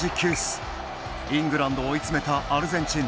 イングランドを追い詰めたアルゼンチン。